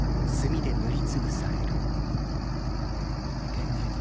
源内殿。